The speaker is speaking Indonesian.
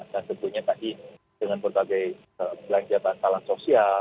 dan tentunya tadi dengan berbagai pelan jatah dan talan sosial